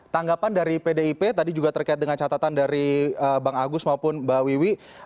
tanggapan dari pdip tadi juga terkait dengan catatan dari bang agus maupun mbak wiwi